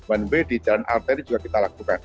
one way di jalan arteri juga kita lakukan